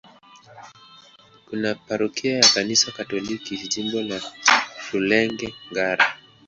Kuna parokia ya Kanisa Katoliki, Jimbo la Rulenge-Ngara.